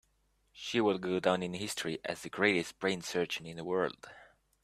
She will go down in history as the greatest brain surgeon in the world.